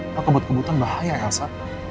lo kebut kebutan bahaya ya sar